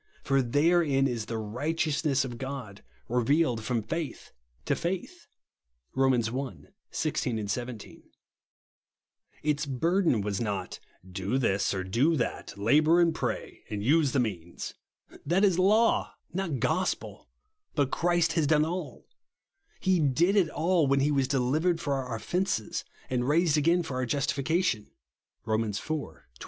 For therein is the right eousness of God revealed from faith to faith," (Rom. i. 16, 17). Its burden waa 72 THE PERSON AND WORK not, " Do this or do that ; lahour and pray, and use the means ;"— that is Imu, not gos j^el :— ^but Christ has done all 1 He did it all when he was " delivered for our offences, and raised again for our justifica tion," (Eom. iv. 25.)